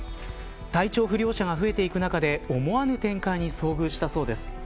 体調不良者が増えていく中で思わぬ展開に遭遇したそうです。